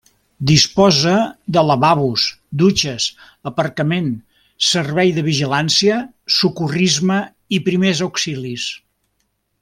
Disposa de lavabos, dutxes, aparcament, servei de vigilància, socorrisme i primers auxilis.